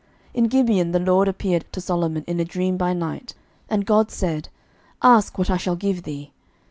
11:003:005 In Gibeon the LORD appeared to Solomon in a dream by night: and God said, Ask what I shall give thee.